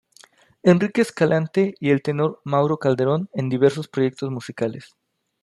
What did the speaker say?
Enrique Escalante y el Tenor Mauro Calderón en diversos proyectos musicales.